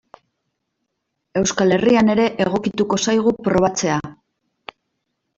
Euskal Herrian ere egokituko zaigu probatzea.